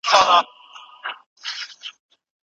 زموږ ملګری ډېر ژر راغی.